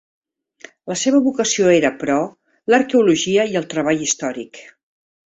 La seva vocació era, però, l'arqueologia i el treball històric.